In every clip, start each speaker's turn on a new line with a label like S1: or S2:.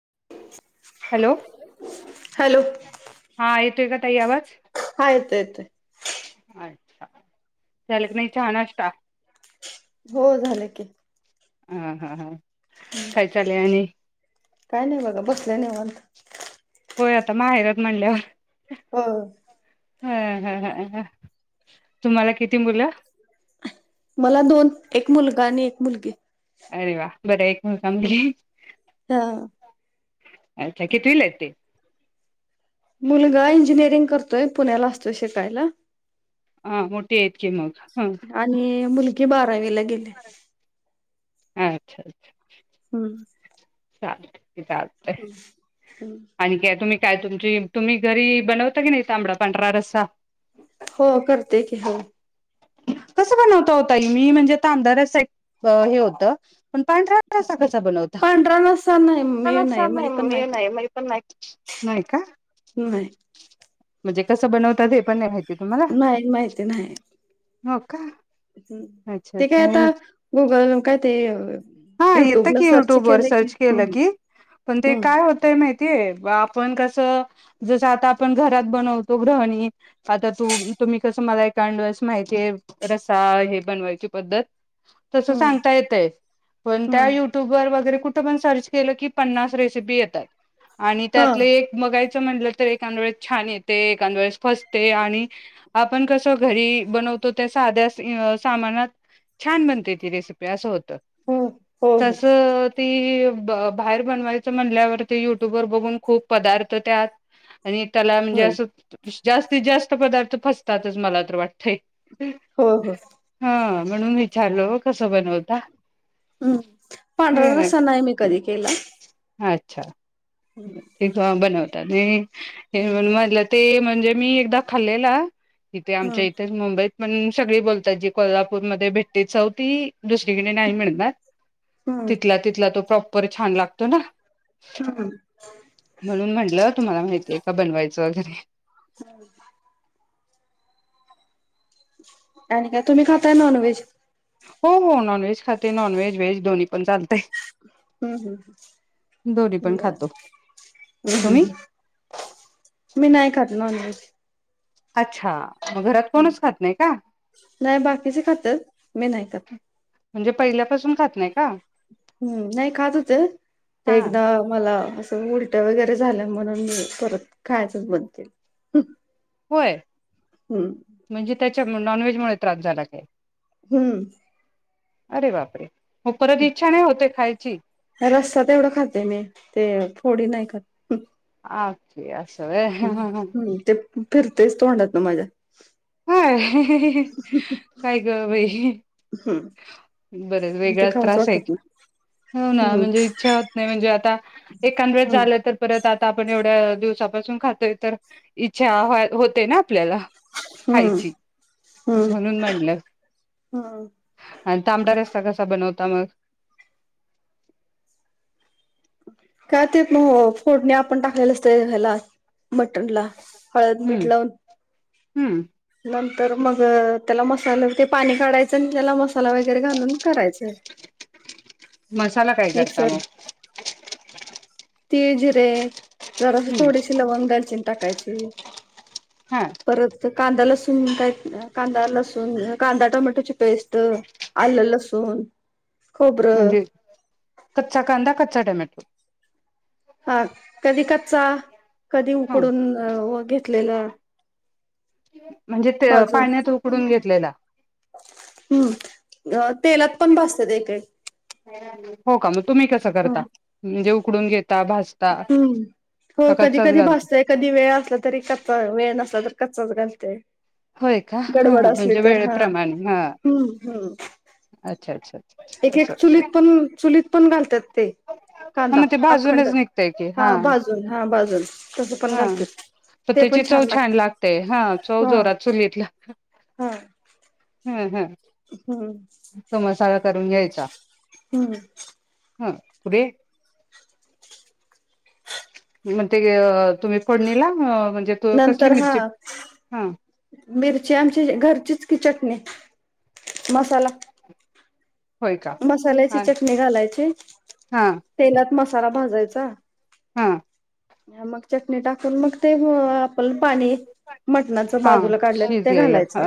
S1: [inaudible]
S2: Hello,
S1: hello
S2: हा येतोय का? ताई आवाज
S1: हा येतोय.
S2: अच्छा झाला की नाही चहा नाष्टा?
S1: हो, झालं की.
S2: हम हम हा [inaudible] काय चालेय आणि?
S1: काय नाही बघा, बसलोय निवांत.
S2: होय, आता माहेरात म्हणल्यावर
S1: होय.
S2: हां, हां, ह तुम्हाला किती मुलं?
S1: मला दोन. एक मुलगा आणि एक मुलगी.
S2: अरे वाऽ बरं एक मुलगा, मुलगी
S1: हा
S2: अच्छा कितवीला आहेत ते?
S1: मुलगा इंजिनिअरिंग करतोय, पुण्याला असतो शिकायला.
S2: हा मोठी आहेत की मग ह
S1: आणि मुलगी बारावीला गेली. [inaudible]
S2: अच्छा अच्छा.
S1: हम्
S2: चालतंय. चालतंय आणिखी तुम्ही काय तुमची तुम्ही घरी बनवता की नाही तांबडा पांढरा रस्सा?
S1: हो करते की हो.
S2: कस बनवता हो ताई मी म्हणजे तांबडा रसा हे होत पण पांढरा [unintelligible] कसा बनवता
S1: पांढरा रस्सा नाही मी
S2: नाही
S1: पण
S2: मी
S1: करत
S2: नाही मी पण नाही. नाही का?
S1: नाही
S2: म्हणजे कसं बनवतात हे पण नाही माहित?
S1: नाही माहित माहिती नाही.
S2: हो का.
S1: ह्
S2: अच्छा
S1: ते काय
S2: अच्छा
S1: आता
S2: हे
S1: गुगल काय ते
S2: हा येतं
S1: युट्यूबला
S2: की
S1: सर्च
S2: युट्यूब वर
S1: केलं
S2: सर्च
S1: की
S2: केलं की पण
S1: हम्म
S2: काय होतय ते आपण कसं जसं आता आपण घरात बनवतो ग्रहणी आता तु तुम्ही कसं मला एकांडस माहिती. ते रसा हे बनवायची पद्धत- तस
S1: हम्म
S2: सांगता येतय, पण त्या
S1: हम्म
S2: युट्यूब वर वगैरे कुठ- पण सर्च केलं की पन्नास रे- ते बी येत्यात आनी
S1: हा
S2: त्यातल एक बघाय - त म्हणलं, तर एखांद वेळेस छान येतए, एखांद वेळेस फसतय आणि आपण कस घरी बनव - तो त्या साध्या सामानात छान बनते ती रेसिपी अस होत- त
S1: हो हो हो
S2: तसं -ती- बाहेर बनवायच म्हणल्यावरती युट्यूबर बघून खूप पदार्थ त्यात- आणि त्याला म्हणजे
S1: हो
S2: असं- जास्तीत जास्त पदार्थ फसतातच मला तर वाटतंय-
S1: हो हो.
S2: हा म्हणून विचारल हो कसं बनवता?
S1: हम्म पांढरा
S2: ह
S1: रस्सा नाही मी कधी केला.
S2: अच्छा. ठीक बनवत आणि-
S1: हम्म
S2: म्हणून म्हणलं ते म्ह- म्हणजे मी एकदा खाल्लेला - इथे आमच्या
S1: हम्म
S2: इथेच मुंबईत- पण सगळी बोलतात जी कोल्हापूरमध्ये भेटतात चौ ती- दुसरीकडे नाही मिळणार.
S1: हम्म
S2: तिथला तिथला तो प्रॉप- परर छान लागतो ना?
S1: हम्म
S2: म्हणून म्हणलं- तुम्हाला माहितीय का? बनवायचं वगैरे-
S1: हम्. अ आणि काय? तुम्ही खाताय नॉन व्हेज?
S2: हो हो, नॉनव्हेज खाते. नॉनव्हेज व्हेज दोन्ही पण चालतय.
S1: हम्म हम्
S2: पण
S1: हम्
S2: खातो तुम्ही
S1: हम् ह्. मी नाही खात नॉनव्हेज.
S2: अच्छा. मग घरात
S1: हं,
S2: कोणच खात नाही का
S1: नाही बाकीचे खातात, मी नाही खात.
S2: म्हणजे पहिल्यापासून खात नाही का?
S1: हम्म- नाही खात होते
S2: हा
S1: एकदा मला- उलट्या वगैरे झाल्या म्हणून मी परत खायचच बंद केलं.
S2: होय
S1: हम्म
S2: म्हणजे त्या नॉनव्हेज मूळ त्रास झाला का.
S1: हम्म
S2: अरे बापरे. हो परत इच्छा नाही होते खायची. [inaudible]
S1: होडी नाही का
S2: ओके असं व्हय हा हा हा.
S1: हम् ते फिरतेच तोंडात ना माझ्या. ह
S2: हा ह काय कर बाई
S1: हम्म
S2: बर
S1: ते
S2: वेगळाच
S1: खाऊच
S2: त्रास आहे
S1: वाटत नाही
S2: हो ना
S1: हम्म
S2: म्हणजे इच्छा होत नाही म्हणजे आ एकं
S1: हम्म
S2: झालं तर परत आता आपण- थोड्या दिवसापासून खातोय तर इच्छा होते ना आपल्याला
S1: हम्म
S2: खायची
S1: हम्म
S2: म्हणून म्हटलं
S1: हम्म
S2: आणि तांबडा रस्ता कसा बनवतो तमल
S1: काय ते मग फोडणी आपण टाकलेलं असतंयला मटन ला हळद
S2: हम्म
S1: मीठ लावून
S2: हम्म
S1: नंतर मग त्याला मसाल्या ते पाणी काढायचं त्याला मसाला वगैरे घालून करायचा
S2: मसाला काय करता
S1: मिक्सर
S2: मग?
S1: तीज रे जर असं
S2: हम्म
S1: थोडीशी लवंग दालचीन टाकायचे ह्
S2: हा
S1: परत कांदा लसूण काय कांदा लसूण कांदा टोमॅटोची पेस्ट आलं लसूण खोबरं
S2: म्हणजे कच्चा कांदा क टमॅट्रो
S1: हा कधी कच्चा कधी
S2: हा
S1: उकडून घेतलेलं
S2: क
S1: बाजू हम् अ तेलात पण भासते एककडे
S2: हो का तुम्ही कसं करता म्हणजे ककूनेत
S1: हम्म हो कधी
S2: कच्चाच
S1: कधी
S2: घालता?
S1: भासतय कधी वेळ असला तरी क वेळ नसला तर कच्च घालते
S2: होय का ह
S1: गडबड असली
S2: म्हणजे
S1: तर हा
S2: वेळेप्रमाणे ह
S1: हम्म हम्म
S2: अच्छा अच्छा अच्छा
S1: एक एक
S2: असं असं
S1: चुलीत पण चुलीत पण घालत्यात ते
S2: हा
S1: कांदा
S2: मग ते
S1: अखंड
S2: भाजूनच निघतय की
S1: हा बाजून हा बाजून तस पण
S2: हा
S1: घालत्यात ते पण
S2: त्याची चव
S1: छान लागते
S2: हा चव
S1: हा
S2: जोरात चुलीतला [inaudible]
S1: हा
S2: हं हं
S1: हम्म
S2: तो मसाला करून घ्याय चा
S1: हम्म
S2: हा पुढे म ते अअ तुम्ही फोडणीला अ म्हणजे तो कसली
S1: नंतर
S2: मिरची
S1: हा
S2: हा
S1: मिरची आमची घरचीच चटणी मसाला
S2: होय का
S1: मसाल्याची
S2: हा
S1: चटणी घालायची.
S2: हा
S1: तेलात मसाला भाजाय [unintelligible]
S2: हा
S1: ह मग चटणी टाकून मग ते ह आपण पाणी मटणाच
S2: हा
S1: बाजूला काढल ते
S2: शिजलेलं ह
S1: घालायचं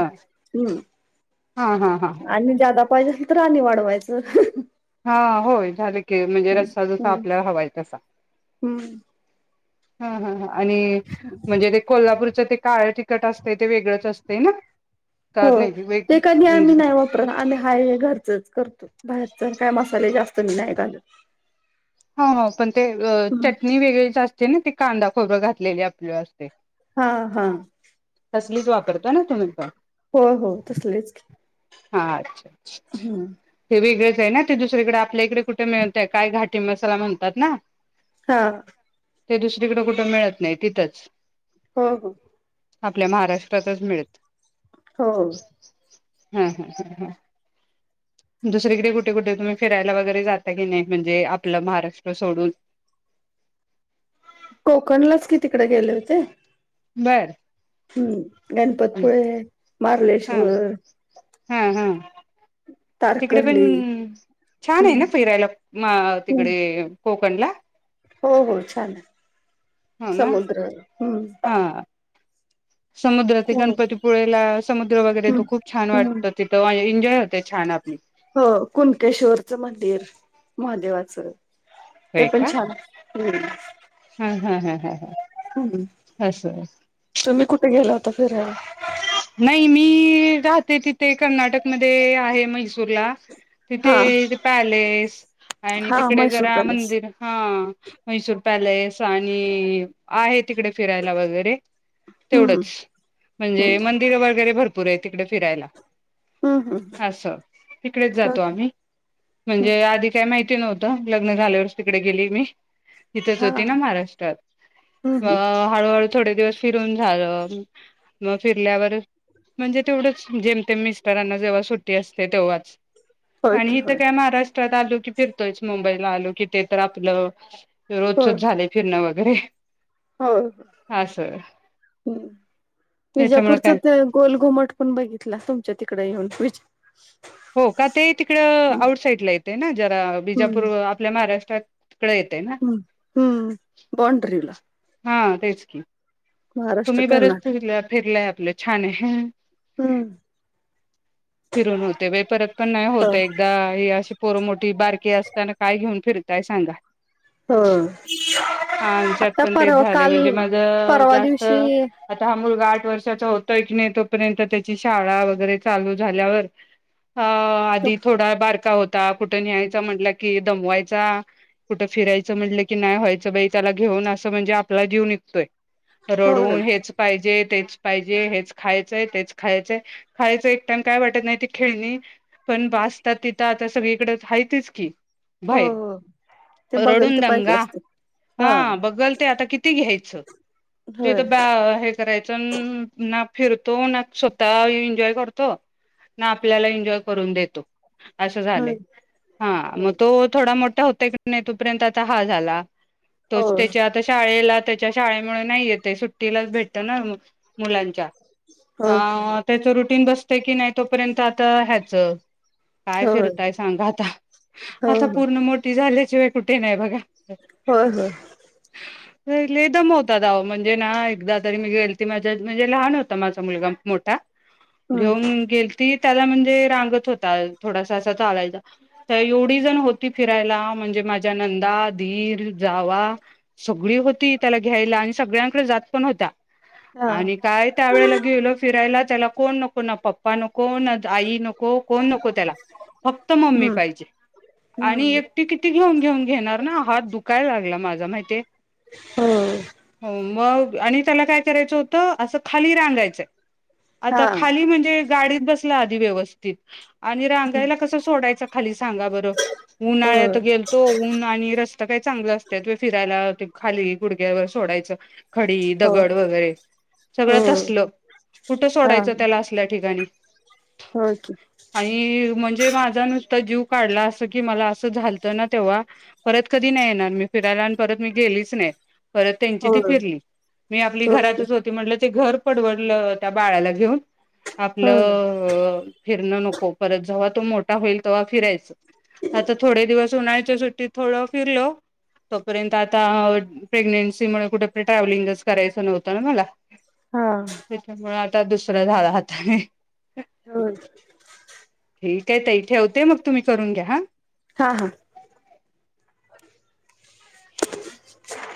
S2: हा हा हा
S1: आणि [unintelligible] पाहिजे असलं तर आणी वाढ पायच
S2: हा होय झाले. ते म्हणजे रस्सा जसा आपल्याला हवाय तसा
S1: हुं
S2: हा हा हा आणि म्हणजे ते कोल्हापूरच ते काळ तिकट असतय ते वेगळंच असतय ना
S1: हो
S2: का नाही वेग
S1: ते कधी
S2: म्हणजे
S1: आम्ही नाही वापरत आ हाय हे घर चच करतो. बाहेर काय मसाले जास्त मी नाय घालत.
S2: हा हो पण ते चटणी वेगळीच असं ते ना ते कांदा खोबरं घातलेली आपल्यास
S1: हा हा
S2: तसलीच वापरता ना तुम्ही पण
S1: हो हो तसलीच की
S2: हा अच्छा
S1: हम्म
S2: हे वेगळं ते दुसरीकडे आपल्या इकडे कुठे मिळत काय घाटी मसाला म्हणतात ना
S1: हा
S2: ते दुसरीकडे कुठं मिळत नाही तिथंच
S1: हम हम
S2: आपल्या महाराष्ट्रातच मिळत
S1: हो
S2: हम् हम् ह ह दुसरीकडे कुठे कुठे तुम्ही फिरायला वगैरे जाता की नाही म्हणजे आपलं महाराष्ट्र सोडून
S1: कोकणलाच कितीिकडे गेले होते
S2: बर
S1: हम्म गणपतपुळे
S2: हा
S1: मारलेश्वर
S2: हा हा तिकडे पण छान आहे
S1: हम्म
S2: ना फिरायला म
S1: हम्म
S2: तिकडे कोकण ला
S1: हो हो छान आहे
S2: हो ना
S1: समुद्र हम्म
S2: समुद्रात
S1: हो.
S2: गणपतीपुळेला समुद्र वगैरे तो
S1: हम्म
S2: खूप छान
S1: हम्म
S2: वाटत तिथं एन्जॉय होते छान आपली
S1: हो कुणकेश्वरचं मंदिर महादेवाचं
S2: होय
S1: ते पण
S2: का
S1: छान हम्म
S2: हा हा हा हा ह
S1: हम्म
S2: असस
S1: तर फर
S2: नाही मी राहते तिथे कर्नाटक म आहे मैसूरला
S1: हा
S2: तिथेथ पॅलेस आणि
S1: हा
S2: तिकडे
S1: म्हैसूर
S2: जरा
S1: पॅलेस
S2: मंदिर हा म्हैसूर पॅलेस आणि आहे तिकडे फिरायला वगैरे
S1: हम्म
S2: तेवढच
S1: हम्म
S2: म्हणजे म वगैरे भरपूर आहे तिकडे फिरायला
S1: हम्म हम्म
S2: असं इिकडेच जातो
S1: ओके
S2: आम्ही म्हणजे
S1: हम्म
S2: आधी काय माहिती नव्हत लग्न झाल्यावर तिकडे गेली मी तथंच
S1: हा
S2: होती ना
S1: हम्म
S2: महाराष्ट्रात
S1: हम्म
S2: हळूहळू थोडे दिवस फिरून झा मग फिरल्यावर म्हणजे तेवढंच जेमते मिस्टरांना जेव्हा सुट्टी असते तेव्हाच
S1: होय
S2: आणि
S1: की
S2: इिथं
S1: होय
S2: काय महाराष्ट्र आलो की फिरतोयच मुंबईला आलो की ते तर आपलं रोजोज झाले फिरण व अरे [unintelligible]
S1: हो
S2: त्याच्यामुळे
S1: विजापूरच
S2: काय
S1: ते गोल घुमट पण बघितला, तुमच्या तिकडे येऊन विच
S2: हो का ते तिकडं आउट साईडला येत. ते ना. जरा बिजापूर आपल्या महाराष्ट्र तत.
S1: हू बॉणड्रीला.
S2: हा तेच की.
S1: महाराष्ट्र
S2: तुम्ही बरेच
S1: कर्नाटक
S2: फिरल्या, फिरल्यात. आपलं छान आहे.
S1: हूं!
S2: फिरून होते वै, परत पण नाही होत एकदा हे अशी पोरमोठी बारकीे, असताना काय घेऊन फिरताय सांगा.
S1: ह
S2: हा आमच्यात
S1: आता
S2: पण तेच
S1: परवा
S2: झाले
S1: काल
S2: म्हणजे माझं
S1: परवा दिवशी.
S2: चर्चा होतोय की नाही, तोपर्यंत त्याची शाळा वगैरे चालू. झाल्यावर. अ
S1: हो
S2: आधी थोडा बारका होत ता कुठं न्यायचा म्हटलं कि दमवायचा, कुठं फिरायचं म्हटलं की नाही व्हायचं बई त्याला घेऊन, असं म्हणजे आपला जीव निघतोय.
S1: हो
S2: रडून हेच पाहिजेत तेच पाहिजे, हेच खायचंय, तेच खायचंय, खायचं काय वाटत नाही, ती खेळणी पण बासता तिथ, आता सगळीकडे हायतच की. व्हाय
S1: हो ते बघल
S2: रडून
S1: ते पाहिजे
S2: दंगा,
S1: असते
S2: हा बघल ते आता किती घ्याय च्छ! तिथ
S1: होय
S2: ब्या हे करायचं ना फिरतो ना स्वतः एन्जॉय कर तो ना आपल्याला एन्जॉय, करून देतो. असं
S1: होय
S2: झालय हा मग तो थोडा मोठ तो होतोय का नाही, तोपर्यंत आता हा झाला.
S1: हो
S2: तोच त्याच्या आता शाळेला त्याच्या शाळेमुळे नाही येतय, सुट्टीलाच भेटत ना मग. मुलांच्या
S1: ओके होय
S2: हां त्याच रुटीन बस ते की नाही तोपर्यंत आता ह्याच काय फिरताय सांगा आता,
S1: हो
S2: आता
S1: हो
S2: पूर्ण मोठी झाली. शिवाय कुठे नाही बघा.
S1: होय होय.
S2: लय दमवता आहो म्हणजे ना एकदा तरी मी गेलती मी माझ्या म्हणजे लहान होता माझा मुलगा मोठा.
S1: हम्म
S2: घेऊन गेलतीत त्याला म्हणजे रांगत होता थोडा असा चालायचा त एवढी जन होती फिरायाला म्हणजे माझ्या नंदा धीर जावा संगळी होती त्याला घ्यायला आणी सगळ्यांनकडे जात पण होता.
S1: हा
S2: आणि काय त्या वेळेला गेलो फिरायलात. त्याला कोण नक कोण पप्पा नो कोणच आई नको कोण नको त्याला फक्त मम्मी
S1: हम्म
S2: पाहिजे आणि
S1: हम्म
S2: एकटी किती घेऊन घेऊन घेणार ना हात दुखायला लागला माझा. तुला माहिती हे.
S1: हो
S2: हो मग. आणि त्याला काय करायचं होतं, असं खाली रांगायचंय
S1: हा
S2: आता खाली म्हणजे. गाडीत बसला आधी व्यवस्थित. आणि रांगायला कसं सोडायच खाली सांगा बरं
S1: हो
S2: उन्हाळ्यात गेलतो ऊन आणि रस त काही चांगलं असते, तु फिरायला ते खाली गुडग्यावर सोडायचं. खडी,
S1: हो
S2: दगड, वगैरे
S1: हो
S2: सगळं ठसलं कुठं
S1: हा
S2: सोडायचं. त त्याला असल्या ठिकाणी.
S1: हो की
S2: आईर म्हणजे माझा नुसता जिव काढला अस की मला अस झालताना तेव्हा परत कधी नई येणार मी फिरायला आण परत मी गेलीच नाही. परत त्यांची
S1: हो
S2: ती फिरली मी आपली
S1: हो की
S2: घरातच म्हटल ते घर पडवडल त्या बाळाला घेऊण आपल
S1: हो
S2: अ अ फिरण नको परत झवात तो मोठा होईल तेव्हा फिरायच, आता थोडे दिवस उन्हायच्या सुट्टीत थोड फिरलो तोपर्यंत आता अ प्रेग्नेन्सी म कुठ ट्रॅव्हलिंगच करायच नव्हत ना मला.
S1: हा
S2: त्याच्यामुळ आत. [unintelligible] सगळ झाल हाताने.
S1: हो.
S2: त्या ताई ठेवते मग तुम्ही करून घ्या हा.
S1: हा हा [unintelligible]